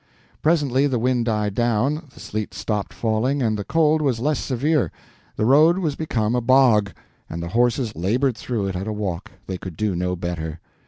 Presently the wind died down, the sleet stopped falling, and the cold was less severe. The road was become a bog, and the horses labored through it at a walk—they could do no better.